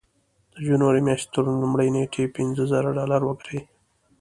د جنوري مياشتې تر لومړۍ نېټې پينځه زره ډالر وګټئ.